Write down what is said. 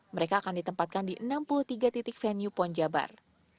mereka akan ditempatkan di enam puluh tiga titik venue pon jabar